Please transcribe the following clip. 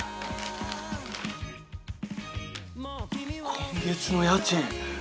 今月の家賃！